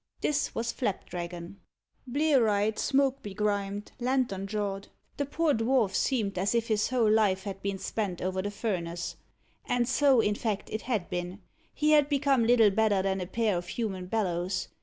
This was Flapdragon. Blear eyed, smoke begrimed, lantern jawed, the poor dwarf seemed as if his whole life had been spent over the furnace. And so, in fact, it had been. He had become little better than a pair of human bellows.